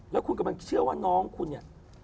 แล้วคุณกำลังเชื่อว่าน้องคุณเนี่ย